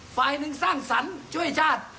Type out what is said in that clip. ฝ่ายหนึ่งสร้างสรรค์ช่วยชาติ